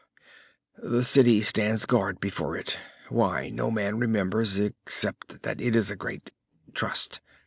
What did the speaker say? The city stands guard before it why, no man remembers, except that it is a great trust."